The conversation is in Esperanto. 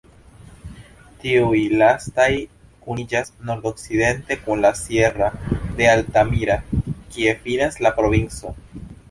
Tiuj lastaj kuniĝas nordokcidente kun la "sierra" de Altamira, kie finas la provinco.